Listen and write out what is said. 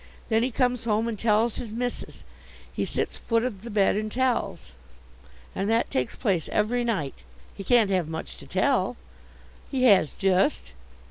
Then he comes home and tells his missis. He sits foot of the bed and tells." "And that takes place every night? He can't have much to tell." "He has just."